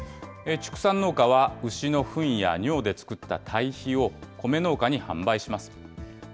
畜産農家は牛のふんや尿で作った堆肥を、米農家に販売します。